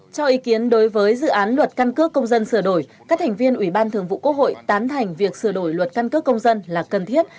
cho ý kiến đối với dự án luật căn cước công dân sở đổi các thành viên ubqvn tán thành việc sở đổi luật căn cước công dân là cần thiết